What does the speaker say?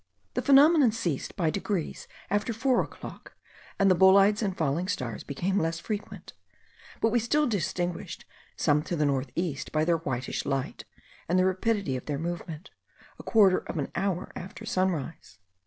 The phenomenon ceased by degrees after four o'clock, and the bolides and falling stars became less frequent; but we still distinguished some to north east by their whitish light, and the rapidity of their movement, a quarter of an hour after sunrise.